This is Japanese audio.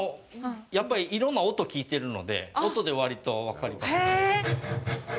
やっぱり、いろんな音を聞いてるので音で割と分かりますんで。